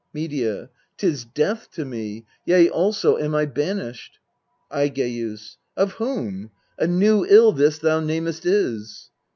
Medea. Tis death to me! Yea, also am I banished. Aigcus. Of whom ? A new ill this thou namest is.